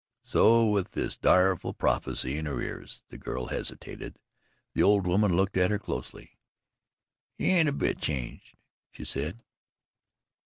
So with this direful prophecy in her ears the girl hesitated. The old woman looked at her closely. "Ye ain't a bit changed," she said.